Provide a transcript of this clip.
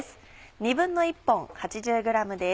１／２本８０ｇです。